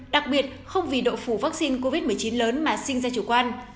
đặc biệt không vì độ phủ vaccine covid một mươi chín lớn mà sinh ra chủ quan